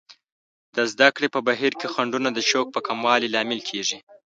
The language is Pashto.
د زده کړې په بهیر کې خنډونه د شوق په کموالي لامل کیږي.